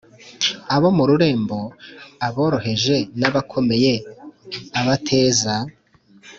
Abo mu rurembo aboroheje n abakomeye abateza